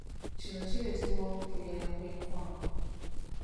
Kino kireetebwa olw'okutuuyana kw'enkwawa.